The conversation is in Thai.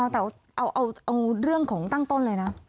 แต่เอาเรื่องของตั้งต้นเลยนะ